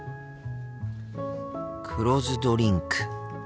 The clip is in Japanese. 黒酢ドリンク。